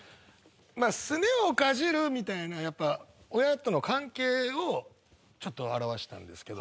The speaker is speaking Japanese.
まあすねをかじるみたいなやっぱ親との関係をちょっと表したんですけど。